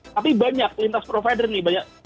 tapi banyak lintas provider nih